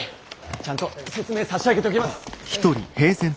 ちゃんと説明差し上げときます！